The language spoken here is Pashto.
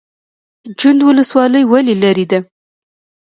جوند ولسوالۍ ولې لیرې ده؟